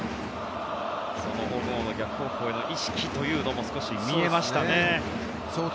その小郷の逆方向への意識というのも少し、見えましたね。